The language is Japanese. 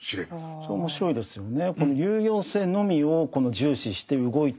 それ面白いですよね。